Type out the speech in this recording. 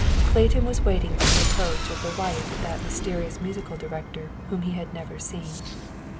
Clayton was waiting for the approach of the wife of that mysterious musical director whom he had never seen.